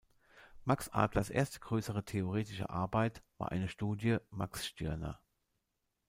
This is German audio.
Max Adlers erste größere theoretische Arbeit war eine Studie "Max Stirner.